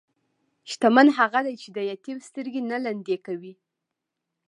شتمن هغه دی چې د یتیم سترګې نه لمدې کوي.